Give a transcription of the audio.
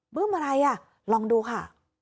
บึ้มอะไรอ่ะลองดูค่ะ